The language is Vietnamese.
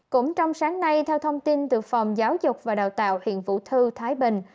cũng trong sáng nay theo thông tin từ phòng giáo dục và đào tạo huyện vũ thư thái bình